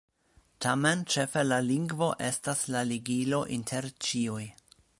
Tamen ĉefe la lingvo estas la ligilo inter ĉiuj.